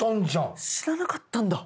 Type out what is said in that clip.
えっ知らなかったんだ。